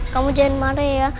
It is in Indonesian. kamu jangan marah ya